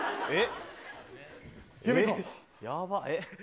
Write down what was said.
えっ？